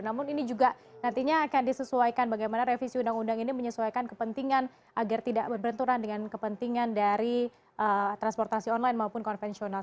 namun ini juga nantinya akan disesuaikan bagaimana revisi undang undang ini menyesuaikan kepentingan agar tidak berbenturan dengan kepentingan dari transportasi online maupun konvensional